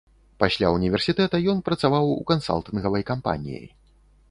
Пасля ўніверсітэта ён працаваў у кансалтынгавай кампаніі.